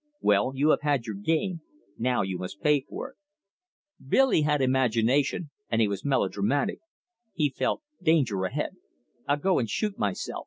"Well, you have had your game; now you must pay for it." Billy had imagination, and he was melodramatic. He felt danger ahead. "I'll go and shoot myself!"